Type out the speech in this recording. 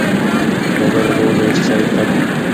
د بازار اوبه وګورئ چې سر یې کلک وي.